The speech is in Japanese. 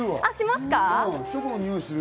チョコのにおいするわ。